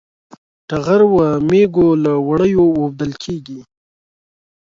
ټغر و مېږو له وړیو وُودل کېږي.